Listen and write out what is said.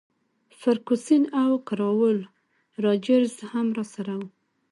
فرګوسن او کراول راجرز هم راسره وو.